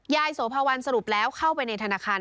โสภาวันสรุปแล้วเข้าไปในธนาคาร